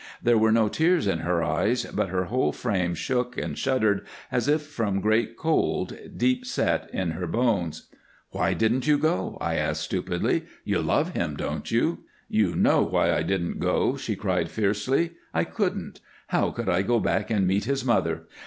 There were no tears in her eyes, but her whole frame shook and shuddered as if from great cold, deep set in her bones. "Why didn't you go?" I asked, stupidly. "You love him, don't you?" "You know why I didn't go," she cried, fiercely. "I couldn't. How could I go back and meet his mother?